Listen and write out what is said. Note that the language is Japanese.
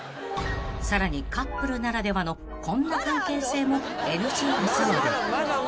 ［さらにカップルならではのこんな関係性もＮＧだそうで］